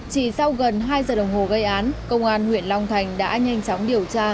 chỉ sau gần hai giờ đồng hồ gây án công an huyện long thành đã nhanh chóng điều tra